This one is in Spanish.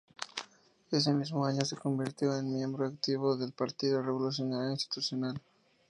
Ese mismo año se convirtió en miembro activo del Partido Revolucionario Institucional.